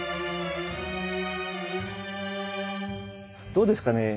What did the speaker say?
どうですかね？